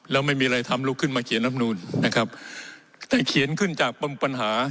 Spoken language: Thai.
แล้วไม่มีอะไรทำลุกขึ้นมาเขียนรับนูนนะครับแต่เขียนขึ้นจากปมปัญหา